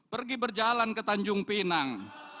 pergi berjalan ke tanjung pinang